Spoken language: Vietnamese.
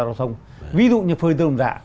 đoàn thông ví dụ như phơi tường dạ